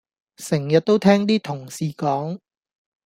成日都聽啲同事講